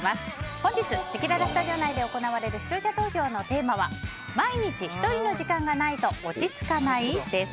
本日せきららスタジオ内で行われる視聴者投票のテーマは毎日１人の時間がないと落ち着かない？です。